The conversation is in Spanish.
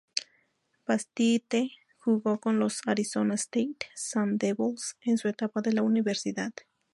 Batiste jugó con los Arizona State Sun Devils en su etapa de la universidad.